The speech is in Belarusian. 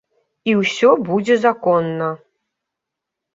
І ўсё будзе законна!